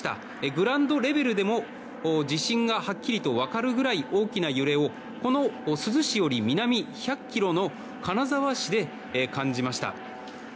グラウンドレベルでも地震がはっきりと分かるぐらい大きな揺れを、珠洲市より南１００ｋｍの金沢市で感じました。